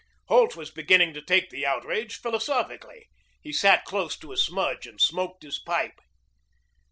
Holt was beginning to take the outrage philosophically. He sat close to a smudge and smoked his pipe.